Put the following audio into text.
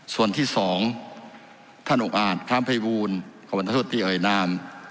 ส่วนที่สองท่านอุงอาจค้ามพยาบูรณ์ขอบรรทธิอ่อยนาม